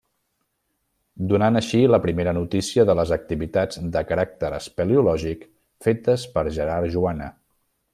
Donant així la primera notícia de les activitats de caràcter espeleològic fetes per Gerard Joana.